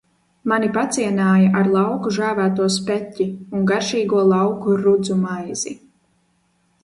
Mani pacienāja ar lauku žāvēto speķi un garšīgo lauku rudzu maizi.